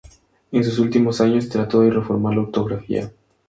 En sus últimos años trató de reformar la ortografía.